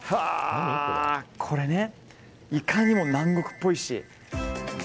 これ、いかにも南国っぽいし。